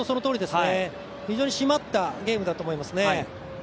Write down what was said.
非常に締まったゲームだと思います。